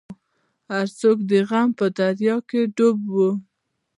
هر څوک د غم په دریا کې ډوب وو.